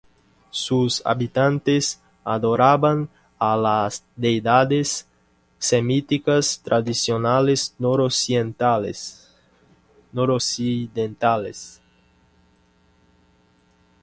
Sus habitantes adoraban a las deidades semíticas tradicionales noroccidentales.